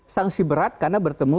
sanksi berat karena bertemu